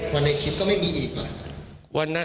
ในคลิปก็ไม่มีอีกเหรอ